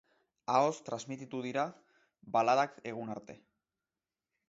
Ahoz transmititu dira baladak egun arte.